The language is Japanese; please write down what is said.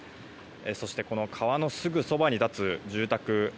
そして、この川のすぐそばに立つ住宅